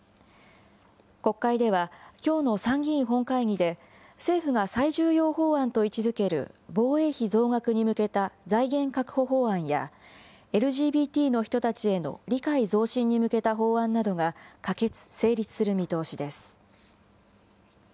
国会ではきょうの参議院本会議で政府が最重要法案と位置づける、防衛費増額に向けた財源確保法案や、ＬＧＢＴの人たちへの理解増進に向けた法案などが可決・成立する見通しです。